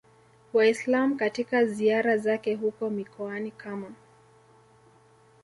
Waislam katika ziara zake huko mikoani kama